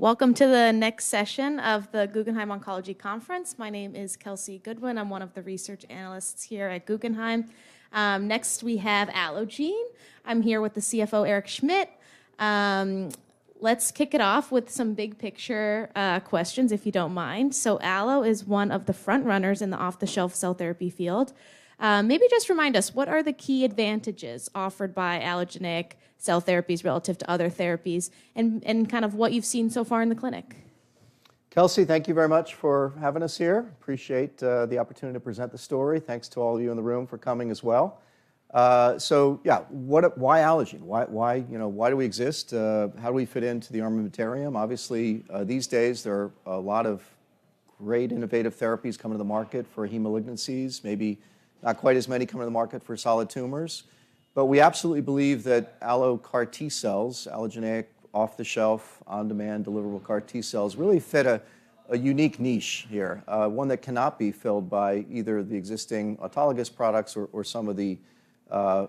Welcome to the next session of the Guggenheim Oncology Conference. My name is Kelsey Goodwin. I'm one of the research analysts here at Guggenheim. Next, we have Allogene. I'm here with the CFO, Erick Schmidt. Let's kick it off with some big picture questions, if you don't mind. Allo is one of the front runners in the off-the-shelf cell therapy field. Maybe just remind us, what are the key advantages offered by allogeneic cell therapies relative to other therapies and kind of what you've seen so far in the clinic? Kelsey, thank you very much for having us here. Appreciate the opportunity to present the story. Thanks to all of you in the room for coming as well. Why Allogene? Why, why, you know, why do we exist? How do we fit into the armamentarium? Obviously, these days, there are a lot of great innovative therapies coming to the market for heme malignancies. Maybe not quite as many coming to the market for solid tumors. We absolutely believe that AlloCAR T-cells, allogeneic, off-the-shelf, on-demand deliverable CAR T-cells really fit a unique niche here. One that cannot be filled by either the existing autologous products or some of the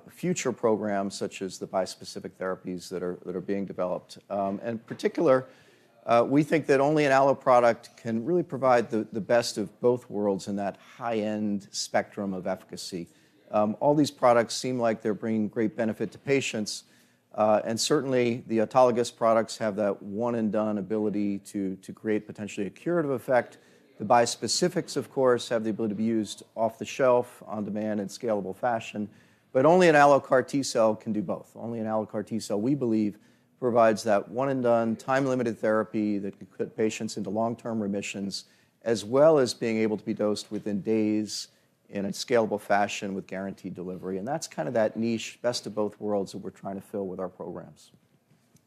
future programs such as the bispecific therapies that are being developed. In particular, we think that only an allo product can really provide the best of both worlds in that high-end spectrum of efficacy. All these products seem like they're bringing great benefit to patients. Certainly, the autologous products have that one-and-done ability to create potentially a curative effect. The bispecifics, of course, have the ability to be used off the shelf on demand in scalable fashion. Only an allo CAR T-cell can do both. Only an allo CAR T-cell, we believe, provides that one-and-done, time-limited therapy that can put patients into long-term remissions, as well as being able to be dosed within days in a scalable fashion with guaranteed delivery. That's kind of that niche best of both worlds that we're trying to fill with our programs.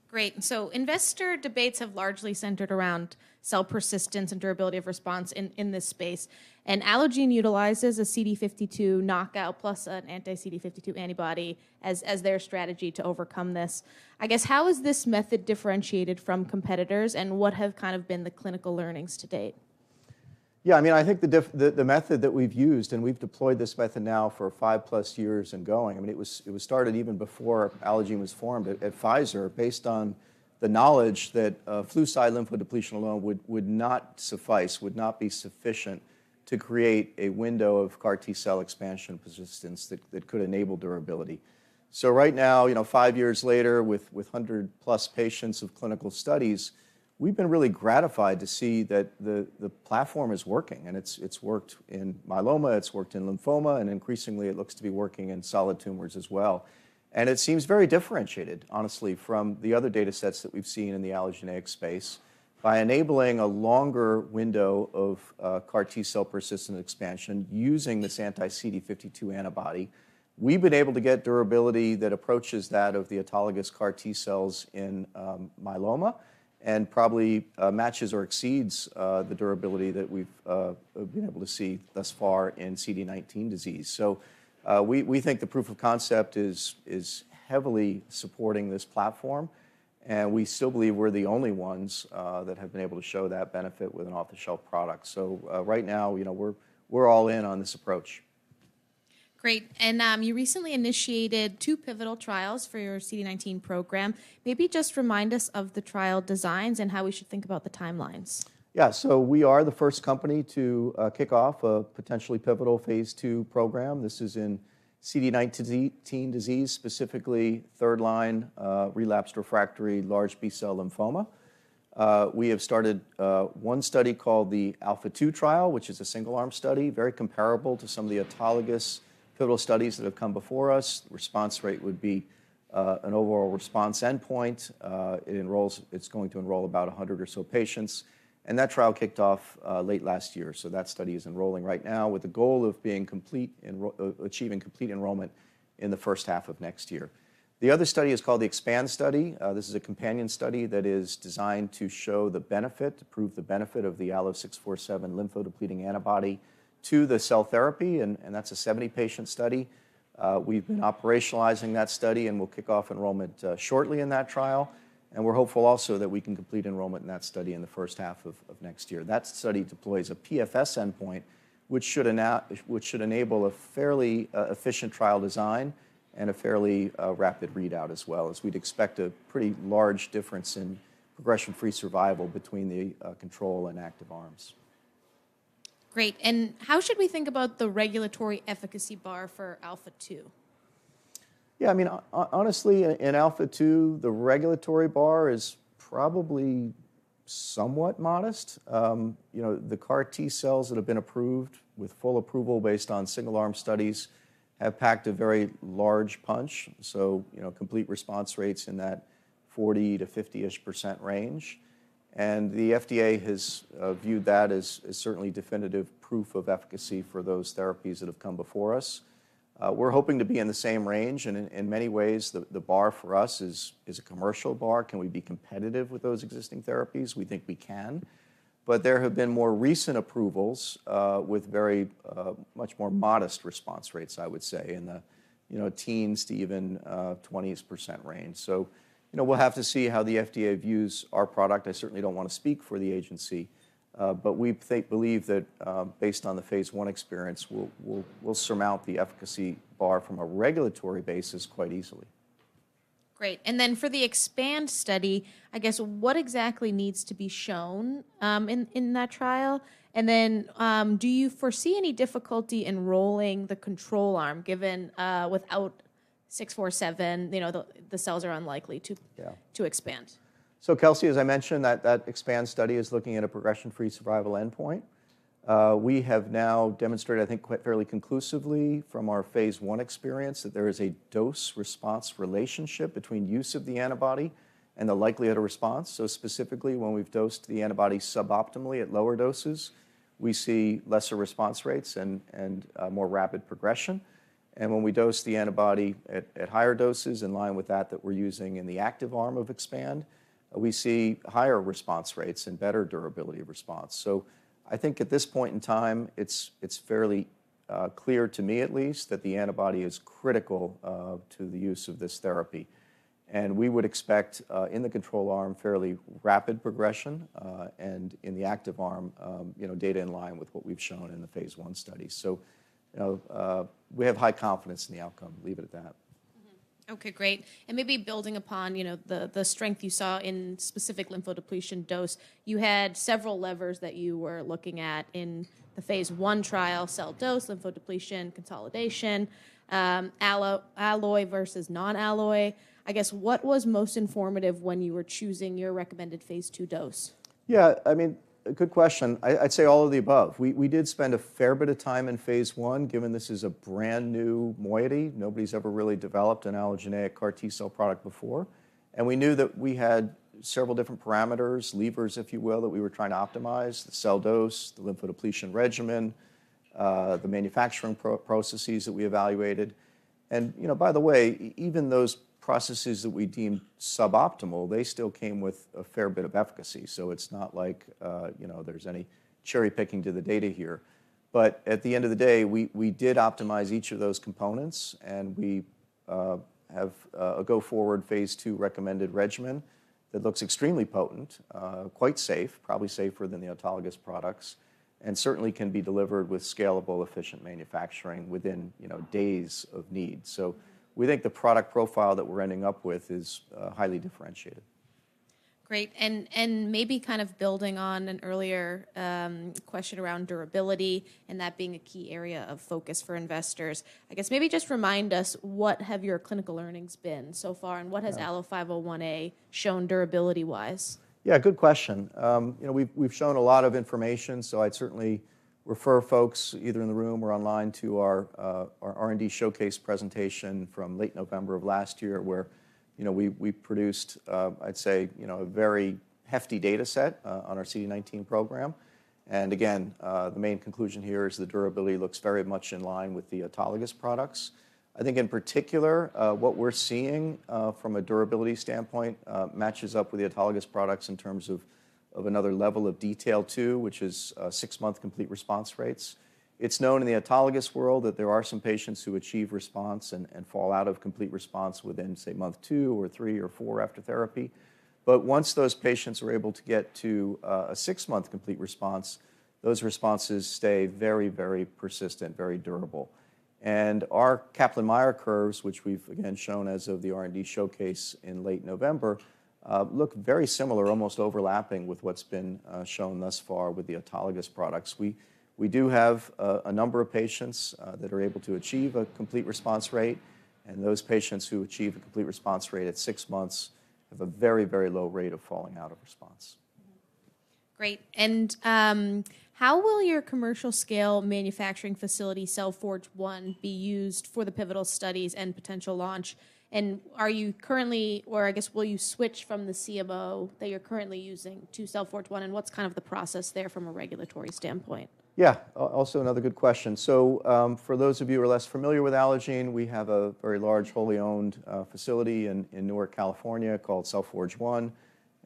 Great. Investor debates have largely centered around cell persistence and durability of response in this space, and Allogene utilizes a CD52 knockout plus an anti-CD52 antibody as their strategy to overcome this. I guess how is this method differentiated from competitors, and what have kind of been the clinical learnings to date? I mean, I think the method that we've used, and we've deployed this method now for five plus years and going, I mean, it was started even before Allogene was formed at Pfizer based on the knowledge that fludarabine lymphodepletion alone would not suffice, would not be sufficient to create a window of CAR T-cell expansion persistence that could enable durability. Right now, you know, five years later with 100+ patients of clinical studies, we've been really gratified to see that the platform is working, and it's worked in myeloma, it's worked in lymphoma, and increasingly it looks to be working in solid tumors as well. It seems very differentiated, honestly, from the other datasets that we've seen in the allogeneic space. By enabling a longer window of CAR T-cell persistent expansion using this anti-CD52 antibody, we've been able to get durability that approaches that of the autologous CAR T-cells in myeloma and probably matches or exceeds the durability that we've been able to see thus far in CD19 disease. We think the proof of concept is heavily supporting this platform, and we still believe we're the only ones that have been able to show that benefit with an off-the-shelf product. Right now, you know, we're all in on this approach. Great. You recently initiated two pivotal trials for your CD19 program. Maybe just remind us of the trial designs and how we should think about the timelines? We are the first company to kick off a potentially pivotal phase II program. This is in CD19 disease, specifically third line, relapsed refractory large B-cell lymphoma. We have started one study called the ALPHA2 trial, which is a single-arm study, very comparable to some of the autologous pivotal studies that have come before us. Response rate would be an overall response endpoint. It's going to enroll about 100 or so patients, and that trial kicked off late last year. That study is enrolling right now with the goal of achieving complete enrollment in the first half of next year. The other study is called the EXPAND study. This is a companion study that is designed to show the benefit, to prove the benefit of the ALLO-647 lymphodepleting antibody to the cell therapy and that's a 70-patient study. We've been operationalizing that study, and we'll kick off enrollment shortly in that trial, and we're hopeful also that we can complete enrollment in that study in the first half of next year. That study deploys a PFS endpoint, which should enable a fairly efficient trial design and a fairly rapid readout as well as we'd expect a pretty large difference in progression-free survival between the control and active arms. Great. How should we think about the regulatory efficacy bar for ALPHA2? Yeah, I mean, honestly, in ALPHA2, the regulatory bar is probably somewhat modest. You know, the CAR T-cells that have been approved with full approval based on single-arm studies have packed a very large punch, so, you know, complete response rates in that 40-50%-ish range. The FDA has viewed that as certainly definitive proof of efficacy for those therapies that have come before us. We're hoping to be in the same range, and in many ways, the bar for us is a commercial bar. Can we be competitive with those existing therapies? We think we can. There have been more recent approvals with very much more modest response rates, I would say, in the, you know, teens to even 20% range. You know, we'll have to see how the FDA views our product. I certainly don't wanna speak for the agency, but we believe that, based on the phase I experience, we'll surmount the efficacy bar from a regulatory basis quite easily. Great. For the EXPAND study, I guess what exactly needs to be shown in that trial? Do you foresee any difficulty enrolling the control arm given, without ALLO-647, you know, the cells are unlikely to- Yeah... to expand. Kelsey, as I mentioned, that EXPAND study is looking at a progression-free survival endpoint. We have now demonstrated, I think quite fairly conclusively from our phase I experience, that there is a dose-response relationship between use of the antibody and the likelihood of response. Specifically, when we've dosed the antibody suboptimally at lower doses, we see lesser response rates and more rapid progression. When we dose the antibody at higher doses in line with that we're using in the active arm of EXPAND, we see higher response rates and better durability of response. I think at this point in time, it's fairly clear to me at least that the antibody is critical to the use of this therapy. We would expect, in the control arm, fairly rapid progression, and in the active arm, you know, data in line with what we've shown in the phase I study. You know, we have high confidence in the outcome, leave it at that. Okay, great. Maybe building upon, you know, the strength you saw in specific lymphodepletion dose, you had several levers that you were looking at in the phase I trial cell dose, lymphodepletion consolidation, Alloy versus non-Alloy. I guess what was most informative when you were choosing your recommended phase two dose? Yeah, I mean, a good question. I'd say all of the above. We did spend a fair bit of time in phase I, given this is a brand-new moiety. Nobody's ever really developed an allogeneic CAR T-cell product before. We knew that we had several different parameters, levers if you will, that we were trying to optimize, the cell dose, the lymphodepletion regimen, the manufacturing processes that we evaluated. You know, by the way, even those processes that we deemed suboptimal, they still came with a fair bit of efficacy. It's not like, you know, there's any cherry-picking to the data here. At the end of the day, we did optimize each of those components, and we have a go-forward phase two recommended regimen that looks extremely potent, quite safe, probably safer than the autologous products, and certainly can be delivered with scalable efficient manufacturing within, you know, days of need. We think the product profile that we're ending up with is highly differentiated. Great. Maybe kind of building on an earlier question around durability and that being a key area of focus for investors. I guess maybe just remind us what have your clinical learnings been so far? Yeah ALLO-501A shown durability-wise? Yeah, good question. You know, we've shown a lot of information, so I'd certainly refer folks either in the room or online to our R&D showcase presentation from late November of last year where, you know, we produced, I'd say, you know, a very hefty dataset on our CD19 program. The main conclusion here is the durability looks very much in line with the autologous products. I think in particular, what we're seeing from a durability standpoint, matches up with the autologous products in terms of another level of detail too, which is six-month complete response rates. It's known in the autologous world that there are some patients who achieve response and fall out of complete response within, say, month two or three or four after therapy. Once those patients are able to get to a six-month complete response, those responses stay very, very persistent, very durable. Our Kaplan-Meier curves, which we've again shown as of the R&D showcase in late November, look very similar, almost overlapping with what's been shown thus far with the autologous products. We do have a number of patients that are able to achieve a complete response rate, and those patients who achieve a complete response rate at six months have a very, very low rate of falling out of response. Great. How will your commercial scale manufacturing facility, Cell Forge 1, be used for the pivotal studies and potential launch? Are you currently, or I guess will you switch from the CDMO that you're currently using to Cell Forge 1, and what's kind of the process there from a regulatory standpoint? Yeah. Also another good question. For those of you who are less familiar with Allogene, we have a very large, wholly owned facility in Newark, California, called Cell Forge 1,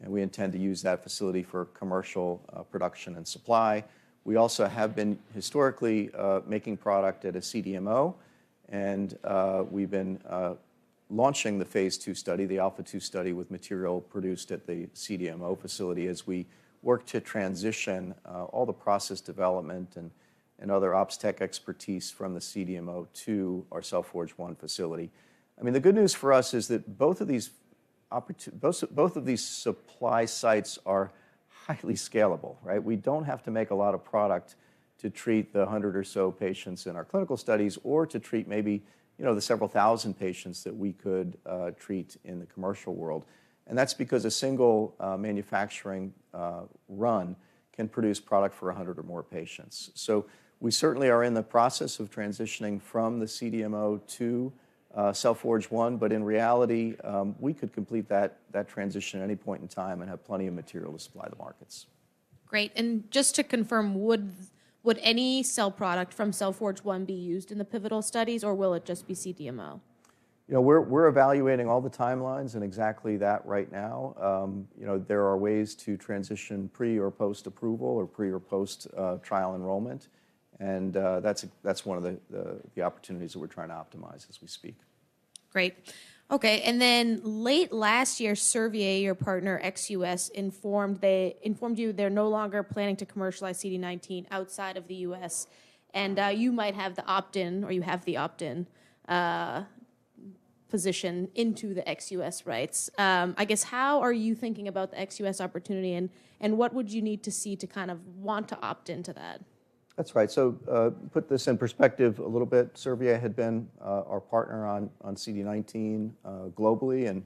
and we intend to use that facility for commercial production and supply. We also have been historically making product at a CDMO, and we've been launching the phase II study, the ALPHA2 study with material produced at the CDMO facility as we work to transition all the process development and other ops tech expertise from the CDMO to our Cell Forge 1 facility. I mean, the good news for us is that both of these supply sites are highly scalable, right? We don't have to make a lot of product to treat the 100 or so patients in our clinical studies or to treat maybe, you know, the several thousand patients that we could treat in the commercial world. That's because a single manufacturing run can produce product for 100 or more patients. We certainly are in the process of transitioning from the CDMO to Cell Forge 1, but in reality, we could complete that transition any point in time and have plenty of material to supply the markets. Great. Just to confirm, would any cell product from Cell Forge 1 be used in the pivotal studies, or will it just be CDMO? You know, we're evaluating all the timelines and exactly that right now. You know, there are ways to transition pre or post-approval or pre or post trial enrollment. That's one of the opportunities that we're trying to optimize as we speak. Great. Okay. Then late last year, Servier, your partner ex U.S., informed you they're no longer planning to commercialize CD19 outside of the U.S., and you might have the opt-in, or you have the opt-in position into the ex-U.S. rights. I guess how are you thinking about the ex-U.S. opportunity and what would you need to see to kind of want to opt into that? That's right. Put this in perspective a little bit. Servier had been our partner on CD19 globally, and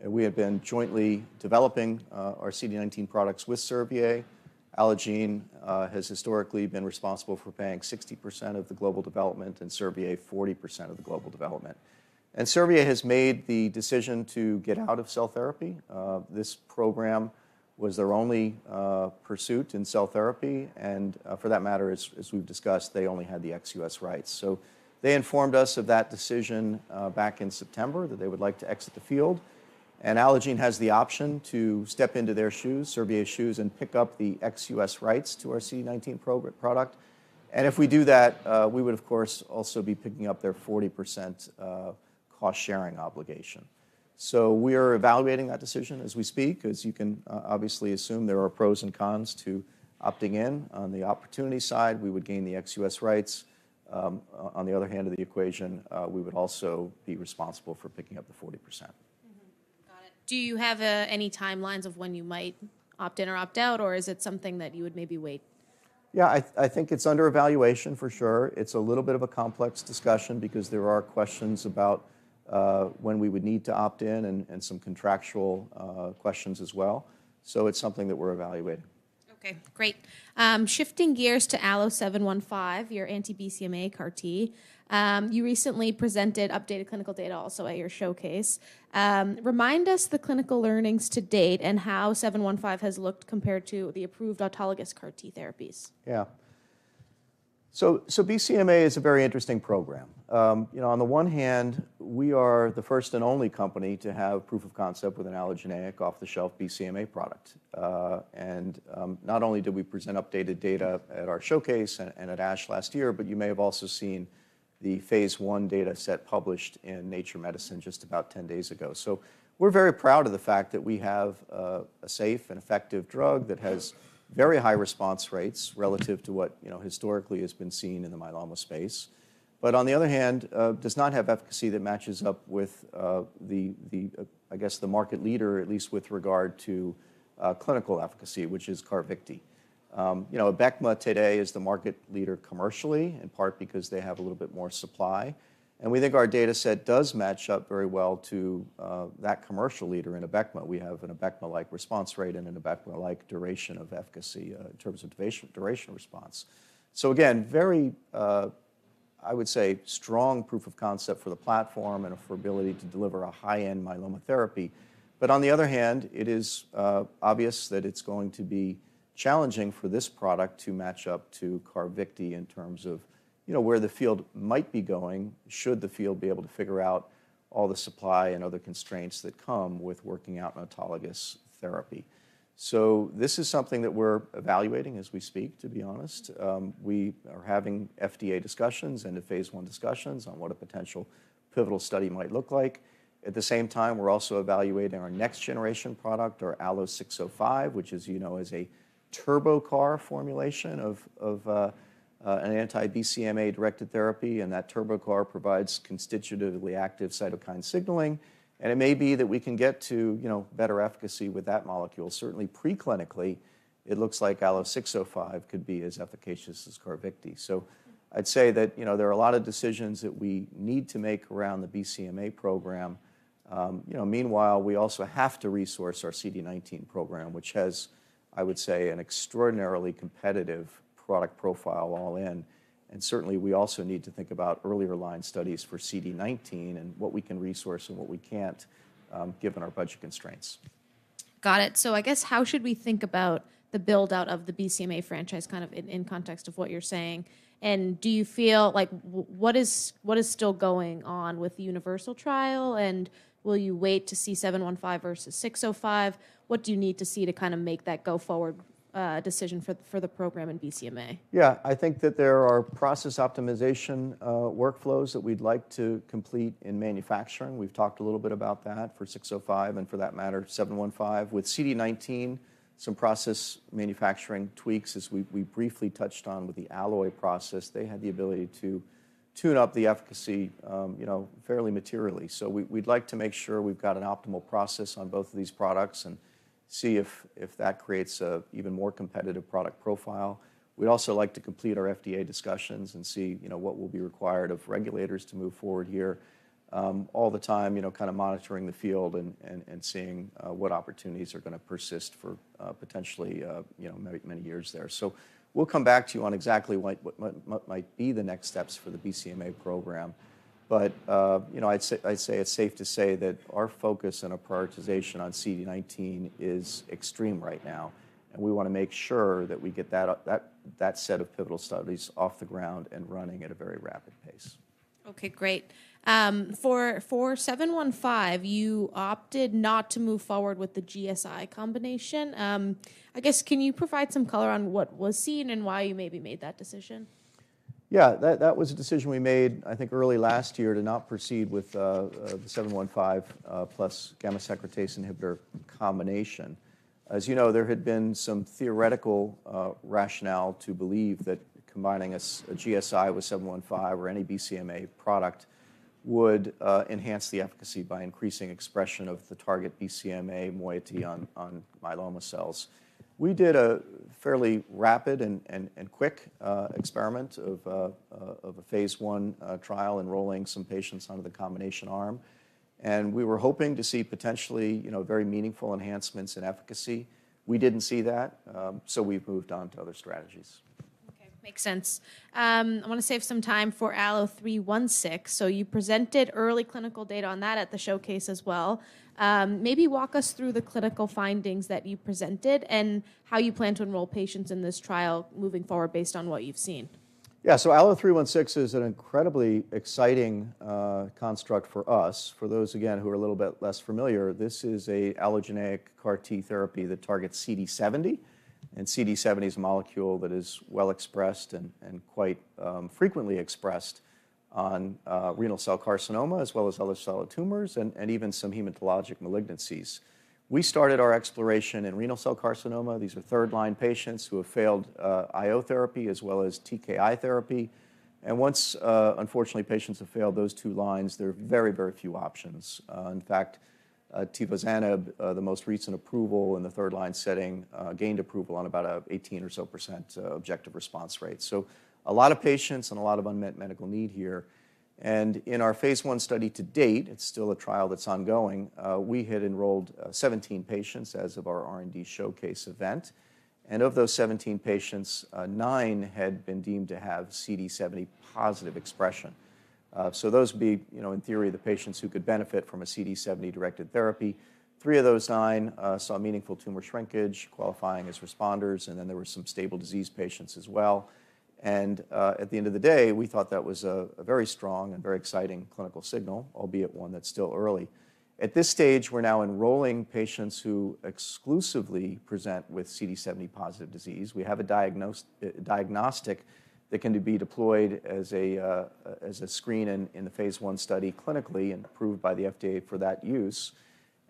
we have been jointly developing our CD19 products with Servier. Allogene has historically been responsible for paying 60% of the global development and Servier 40% of the global development. Servier has made the decision to get out of cell therapy. This program was their only pursuit in cell therapy, and for that matter, as we've discussed, they only had the ex-US rights. They informed us of that decision back in September that they would like to exit the field. Allogene has the option to step into their shoes, Servier's shoes, and pick up the ex-U.S. rights to our CD19 product. If we do that, we would, of course, also be picking up their 40% of cost-sharing obligation. We are evaluating that decision as we speak. As you can obviously assume, there are pros and cons to opting in. On the opportunity side, we would gain the ex-U.S. rights. On the other hand of the equation, we would also be responsible for picking up the 40%. Mm-hmm. Got it. Do you have any timelines of when you might opt in or opt out, or is it something that you would maybe wait? Yeah, I think it's under evaluation for sure. It's a little bit of a complex discussion because there are questions about when we would need to opt in and some contractual questions as well. It's something that we're evaluating. Okay. Great. Shifting gears to ALLO-715, your anti-BCMA CAR T. You recently presented updated clinical data also at your showcase. Remind us the clinical learnings to date and how 715 has looked compared to the approved autologous CAR T therapies? BCMA is a very interesting program. You know, on the one hand, we are the first and only company to have proof of concept with an allogeneic off-the-shelf BCMA product. Not only did we present updated data at our showcase and at ASH last year, but you may have also seen the phase I dataset published in Nature Medicine just about 10 days ago. We're very proud of the fact that we have a safe and effective drug that has very high response rates relative to what, you know, historically has been seen in the myeloma space. On the other hand, does not have efficacy that matches up with the I guess the market leader, at least with regard to clinical efficacy, which is CARVYKTI. You know, ABECMA today is the market leader commercially, in part because they have a little bit more supply. We think our dataset does match up very well to that commercial leader in ABECMA. We have an ABECMA-like response rate and an ABECMA-like duration of efficacy in terms of duration response. Again, very, I would say, strong proof of concept for the platform and for ability to deliver a high-end myeloma therapy. On the other hand, it is obvious that it's going to be challenging for this product to match up to CARVYKTI in terms of, you know, where the field might be going should the field be able to figure out all the supply and other constraints that come with working out an autologous therapy. This is something that we're evaluating as we speak, to be honest. We are having FDA discussions and phase 1 discussions on what a potential pivotal study might look like. At the same time, we're also evaluating our next generation product, our ALLO-605, which is, you know, is a TurboCAR formulation of an anti-BCMA-directed therapy, and that TurboCAR provides constitutively active cytokine signaling. It may be that we can get to, you know, better efficacy with that molecule. Certainly pre-clinically, it looks like ALLO-605 could be as efficacious as CARVYKTI. I'd say that, you know, there are a lot of decisions that we need to make around the BCMA program. You know, meanwhile, we also have to resource our CD19 program, which has, I would say, an extraordinarily competitive product profile all in. Certainly, we also need to think about earlier line studies for CD19 and what we can resource and what we can't, given our budget constraints. Got it. I guess how should we think about the build-out of the BCMA franchise kind of in context of what you're saying? Like what is still going on with the UNIVERSAL trial, and will you wait to see 715 versus 605? What do you need to see to kind of make that go forward decision for the program in BCMA? Yeah. I think that there are process optimization, workflows that we'd like to complete in manufacturing. We've talked a little bit about that for ALLO-605 and for that matter, ALLO-715. With CD19, some process manufacturing tweaks, as we briefly touched on with the Alloy process. They had the ability to tune up the efficacy, you know, fairly materially. We'd like to make sure we've got an optimal process on both of these products and see if that creates a even more competitive product profile. We'd also like to complete our FDA discussions and see, you know, what will be required of regulators to move forward here. all the time, you know, kinda monitoring the field and seeing what opportunities are gonna persist for potentially, you know, many years there. We'll come back to you on exactly what might be the next steps for the BCMA program. You know, I'd say it's safe to say that our focus and our prioritization on CD19 is extreme right now, and we wanna make sure that we get that up, that set of pivotal studies off the ground and running at a very rapid pace. Okay, great. for ALLO-715, you opted not to move forward with the GSI combination. I guess can you provide some color on what was seen and why you maybe made that decision? Yeah. That was a decision we made, I think, early last year to not proceed with the 715 plus gamma secretase inhibitor combination. As you know, there had been some theoretical rationale to believe that combining a GSI with 715 or any BCMA product would enhance the efficacy by increasing expression of the target BCMA moiety on myeloma cells. We did a fairly rapid and quick experiment of a phase 1 trial enrolling some patients under the combination arm. We were hoping to see potentially, you know, very meaningful enhancements in efficacy. We didn't see that. We've moved on to other strategies. Okay. Makes sense. I wanna save some time for ALLO-316. You presented early clinical data on that at the showcase as well. Maybe walk us through the clinical findings that you presented and how you plan to enroll patients in this trial moving forward based on what you've seen. Yeah. ALLO-316 is an incredibly exciting construct for us. For those, again, who are a little bit less familiar, this is a allogeneic CAR T therapy that targets CD70. CD70 is a molecule that is well expressed and quite frequently expressed on renal cell carcinoma as well as other solid tumors and even some hematologic malignancies. We started our exploration in renal cell carcinoma. These are third line patients who have failed IO therapy as well as TKI therapy. Once, unfortunately patients have failed those two lines, there are very, very few options. In fact, tivozanib, the most recent approval in the third line setting, gained approval on about 18% or so objective response rate. A lot of patients and a lot of unmet medical need here. In our phase 1 study to date, it's still a trial that's ongoing, we had enrolled 17 patients as of our R&D showcase event. Of those 17 patients, 9 had been deemed to have CD70 positive expression. So those would be, you know, in theory the patients who could benefit from a CD70-directed therapy. Three of those 9 saw meaningful tumor shrinkage qualifying as responders, and then there were some stable disease patients as well. At the end of the day, we thought that was a very strong and very exciting clinical signal, albeit one that's still early. At this stage, we're now enrolling patients who exclusively present with CD70 positive disease. We have a diagnostic that can be deployed as a screen in the phase one study clinically and approved by the FDA for that use.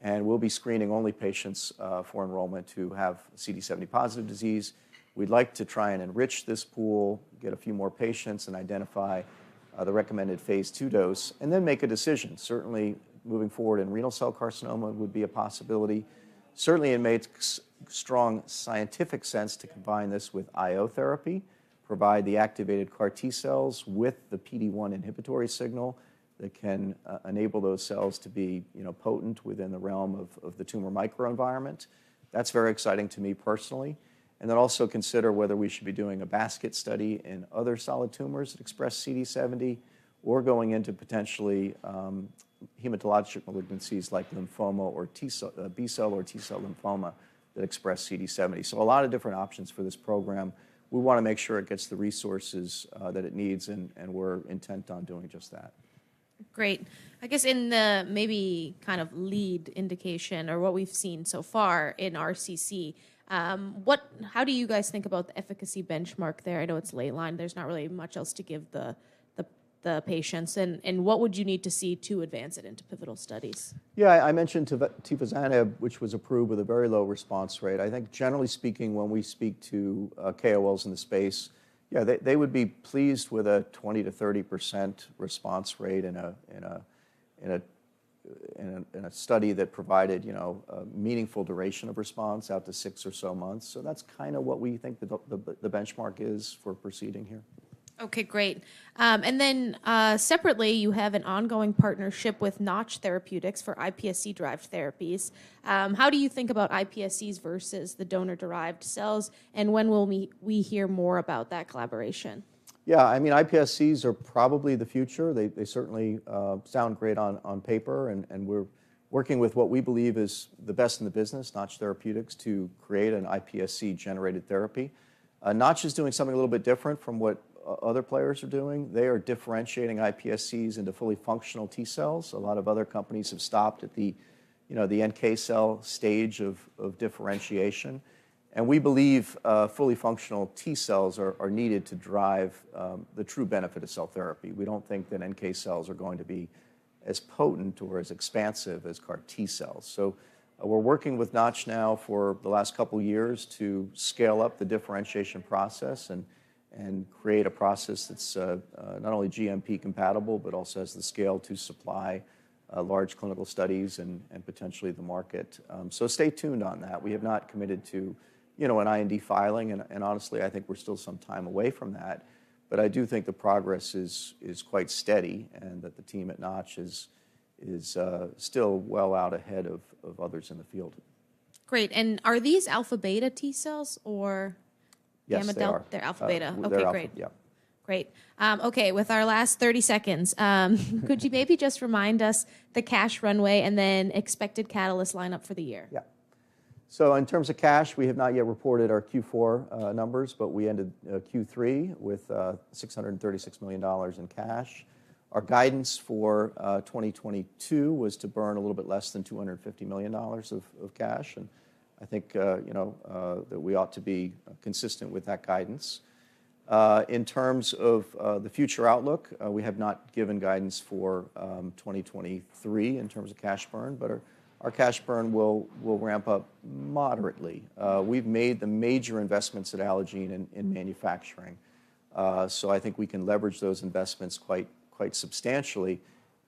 We'll be screening only patients for enrollment who have CD70 positive disease. We'd like to try and enrich this pool, get a few more patients and identify the recommended phase two dose and then make a decision. Certainly moving forward in renal cell carcinoma would be a possibility. Certainly it makes strong scientific sense to combine this with IO therapy, provide the activated CAR T cells with the PD-1 inhibitory signal that can enable those cells to be, you know, potent within the realm of the tumor microenvironment. That's very exciting to me personally. Also consider whether we should be doing a basket study in other solid tumors that express CD70 or going into potentially hematologic malignancies like lymphoma or B-cell or T-cell lymphoma that express CD70. A lot of different options for this program. We wanna make sure it gets the resources that it needs and we're intent on doing just that. Great. I guess in the maybe kind of lead indication or what we've seen so far in RCC, how do you guys think about the efficacy benchmark there? I know it's late line. There's not really much else to give the patients. What would you need to see to advance it into pivotal studies? I mentioned tivozanib which was approved with a very low response rate. I think generally speaking when we speak to KOLs in the space, yeah, they would be pleased with a 20%-30% response rate in a study that provided, you know, a meaningful duration of response out to six or so months. That's kinda what we think the benchmark is for proceeding here. Okay, great. Separately you have an ongoing partnership with Notch Therapeutics for iPSC-derived therapies. How do you think about iPSCs versus the donor-derived cells, and when will we hear more about that collaboration? I mean, iPSCs are probably the future. They certainly sound great on paper and we're working with what we believe is the best in the business, Notch Therapeutics, to create an iPSC-generated therapy. Notch is doing something a little bit different from what other players are doing. They are differentiating iPSCs into fully functional T cells. A lot of other companies have stopped at the, you know, the NK cell stage of differentiation. We believe fully functional T cells are needed to drive the true benefit of cell therapy. We don't think that NK cells are going to be as potent or as expansive as CAR T cells. We're working with Notch now for the last couple years to scale up the differentiation process and create a process that's not only GMP compatible but also has the scale to supply large clinical studies and potentially the market. Stay tuned on that. We have not committed to, you know, an IND filing and honestly I think we're still some time away from that. I do think the progress is quite steady and that the team at Notch is still well out ahead of others in the field. Great. Are these alpha-beta T cells? Yes, they are. gamma delta? They're alpha beta. They're alpha, yeah. Okay, great. Great. Okay, with our last 30 seconds, could you maybe just remind us the cash runway and then expected catalyst lineup for the year? In terms of cash, we have not yet reported our Q4 numbers, but we ended Q3 with $636 million in cash. Our guidance for 2022 was to burn a little bit less than $250 million of cash. I think, you know, that we ought to be consistent with that guidance. In terms of the future outlook, we have not given guidance for 2023 in terms of cash burn, but our cash burn will ramp up moderately. We've made the major investments at Allogene in manufacturing. I think we can leverage those investments quite substantially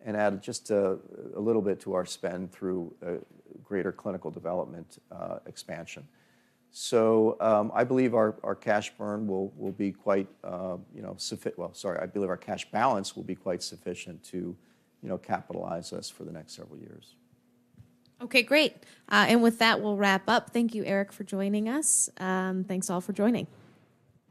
and add just a little bit to our spend through greater clinical development expansion.I believe our cash balance will be quite sufficient to, you know, capitalize us for the next several years. Okay, great. With that we'll wrap up. Thank you, Eric for joining us. Thanks all for joining.